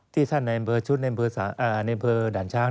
ที่ท่านในอำเภอชุดในอำเภอด่านช้าง